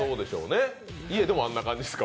家でもあんな感じですか？